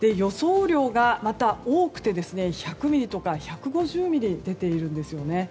雨量が多くて１００ミリとか１５０ミリ出ているんですよね。